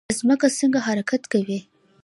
ځمکه څنګه حرکت کوي؟